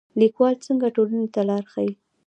لیکوال څنګه ټولنې ته لار ښيي؟